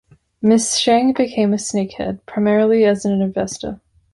Ms. Cheng became a snakehead, primarily as an investor.